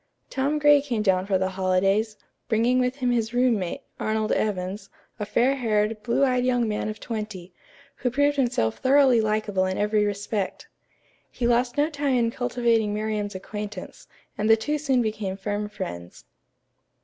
Tom Gray came down for the holidays, bringing with him his roommate, Arnold Evans, a fair haired, blue eyed young man of twenty, who proved himself thoroughly likable in every respect. He lost no time in cultivating Miriam's acquaintance, and the two soon became firm friends.